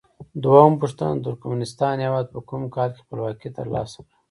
دویمه پوښتنه: د ترکمنستان هیواد په کوم کال کې خپلواکي تر لاسه کړه؟